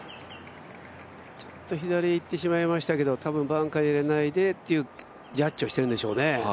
ちょっと左へいってしまいましたけど多分、バンカーには入れないでというジャッジをしているんでしょうね。